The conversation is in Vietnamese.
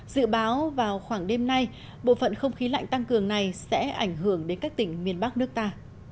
dự báo vào khoảng đêm nay bộ phận không khí lạnh tăng cường này sẽ ảnh hưởng đến các tỉnh miền bắc nước ta